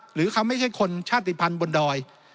หรือเขาไม่ใช่คนชาติภัณฑ์บนดอย